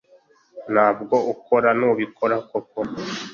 Ntabwo ukora, ntubikora koko